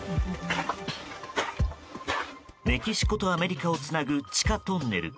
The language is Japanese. メキシコとアメリカをつなぐ地下トンネル。